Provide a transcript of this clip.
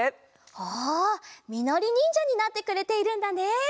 おおみのりにんじゃになってくれているんだね。